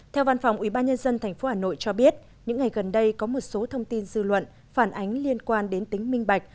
theo văn phòng ubnd tp hà nội cho biết những ngày gần đây có một số thông tin dư luận phản ánh liên quan đến tính minh bạch